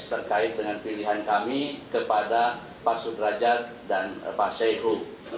terkait dengan pilihan kami kepada pak sudrajat dan pak saiku